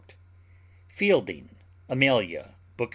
FIELDING Amelia bk.